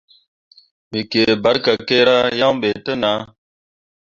Me kǝǝ barkakkera yan ɓe te nah.